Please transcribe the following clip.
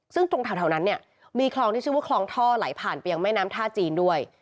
ซึ่งตรงแถวนั้นเนี่ยมีคลองที่ชื่อว่าคลองท่อไหลผ่านไปยังแม่น้ำท่าจีนด้วย